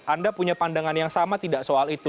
anda punya pandangan yang sama tidak soal itu